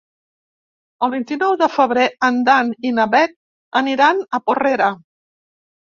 El vint-i-nou de febrer en Dan i na Bet aniran a Porrera.